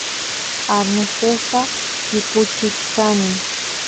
arnesesta sipuchichkani